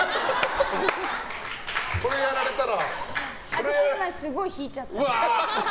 私、今、すごい引いちゃった。